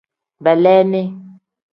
Beleeni.